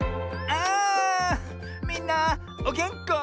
あみんなおげんこ？